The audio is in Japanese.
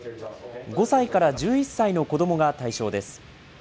５歳から１１歳の子どもが対象です。